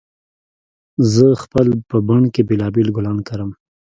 زه خپل په بڼ کې بېلابېل ګلان کرم